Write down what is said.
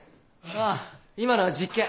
あぁ今のは実験。